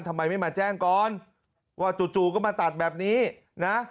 ทำไมไม่มาแจ้งก่อนว่าจู่ก็มาตัดแบบนี้นะ